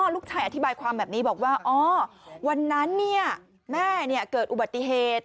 ลูกชายอธิบายความแบบนี้บอกว่าอ๋อวันนั้นแม่เกิดอุบัติเหตุ